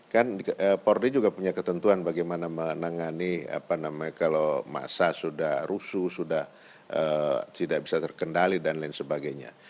kan polri juga punya ketentuan bagaimana menangani apa namanya kalau masa sudah rusuh sudah tidak bisa terkendali dan lain sebagainya